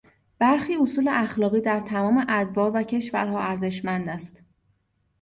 برخی اصول اخلاقی در تمام ادوار و کشورها ارزشمند است.